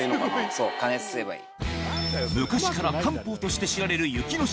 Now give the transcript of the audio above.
そう加熱すればいい。